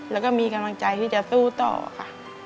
แล้วก็มีกำลังใจที่จะสู้ต่อค่ะ